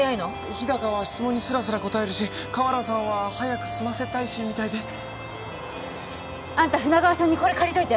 日高は質問にスラスラ答えるし河原さんは早く済ませたいしみたいであんた船川署にこれ借りといて！